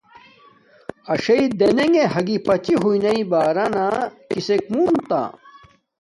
اݽنݣ دنݣ ھاگی پاچی ہوی ناݵ بارانا ڈنݣ کیسک موتہ،